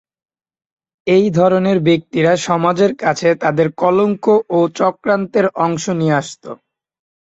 এই ধরনের ব্যক্তিরা সমাজের কাছে তাদের কলঙ্ক ও চক্রান্তের অংশ নিয়ে আসত।